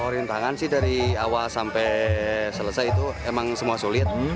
rintangan sih dari awal sampai selesai itu emang semua sulit